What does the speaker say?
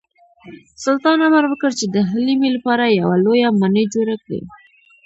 سلطان امر وکړ چې د حلیمې لپاره یوه لویه ماڼۍ جوړه کړي.